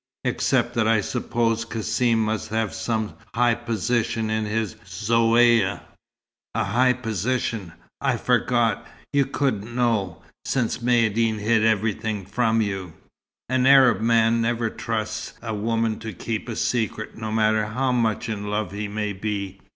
except that I suppose Cassim must have some high position in his Zaouïa." "A high position! I forgot, you couldn't know since Maïeddine hid everything from you. An Arab man never trusts a woman to keep a secret, no matter how much in love he may be.